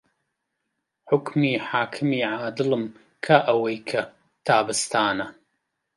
حوکمی حاکمی عادڵم کا ئەوەی کە تابستانە